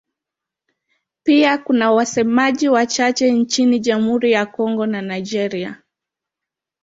Pia kuna wasemaji wachache nchini Jamhuri ya Kongo na Nigeria.